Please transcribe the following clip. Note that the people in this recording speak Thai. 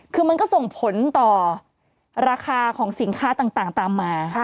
คือมันก็ส่งผลต่อราคาของสินค้าต่างตามมา